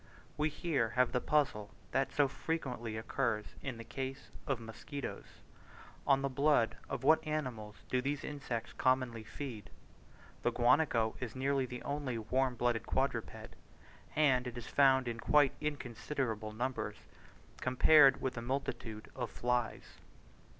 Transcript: We here have the puzzle that so frequently occurs in the case of musquitoes on the blood of what animals do these insects commonly feed? The guanaco is nearly the only warm blooded quadruped, and it is found in quite inconsiderable numbers compared with the multitude of flies.